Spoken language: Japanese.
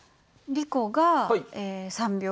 リコが３秒。